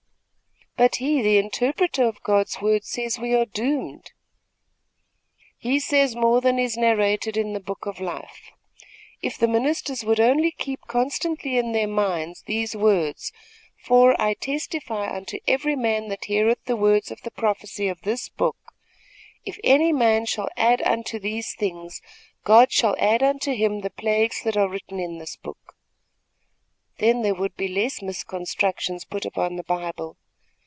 "But he, the interpreter of God's word, says we are doomed." "He says more than is narrated in the Book of Life. If the ministers would only keep constantly in their minds these words: 'For I testify unto every man that heareth the words of the prophecy of this book. If any man shall add unto these things, God shall add unto him the plagues that are written in this book,' then there would be less misconstructions put upon the Bible.